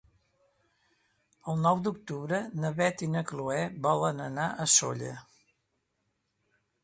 El nou d'octubre na Beth i na Chloé volen anar a Sóller.